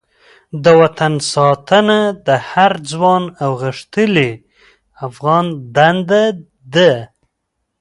د وطن ساتنه د هر ځوان او غښتلې افغان دنده ده.